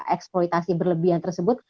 eksploitasi berlebihan tersebut